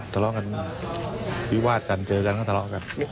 ทะเลาะกันวิวาดกันเจอกันก็ทะเลาะกัน